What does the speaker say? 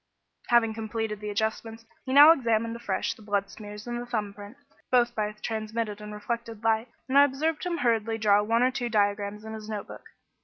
Having completed the adjustments, he now examined afresh the blood smears and the thumb print, both by transmitted and reflected light, and I observed him hurriedly draw one or two diagrams in his notebook.